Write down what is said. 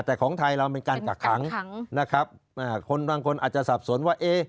แต่ของไทยเราเป็นการกักขังนะครับคนบางคนอาจจะสับสนว่าเอ๊ะ